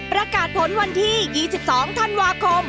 ประกาศผลวันที่๒๒ธันวาคม